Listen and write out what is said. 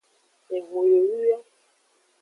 Ehun yoyu yo.